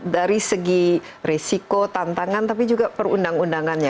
dari segi resiko tantangan tapi juga perundang undangannya